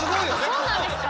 そうなんですか？